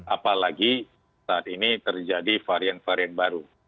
apalagi saat ini terjadi varian varian baru